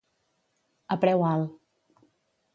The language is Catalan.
A preu alt.